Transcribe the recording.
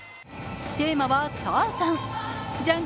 テーマはターザン。